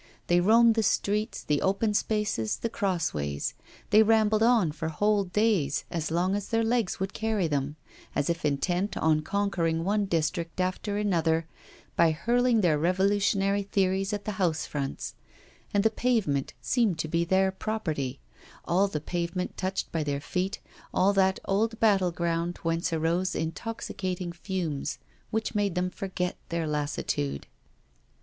They roamed the streets, the open spaces, the crossways; they rambled on for whole days, as long as their legs would carry them, as if intent on conquering one district after another by hurling their revolutionary theories at the house fronts; and the pavement seemed to be their property all the pavement touched by their feet, all that old battleground whence arose intoxicating fumes which made them forget their lassitude.